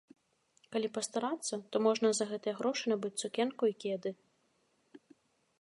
Калі пастарацца, то можна за гэтыя грошы набыць сукенку і кеды.